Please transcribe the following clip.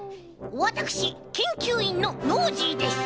わたくしけんきゅういんのノージーです。